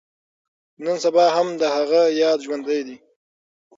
نن سبا هم د هغه ياد ژوندی دی.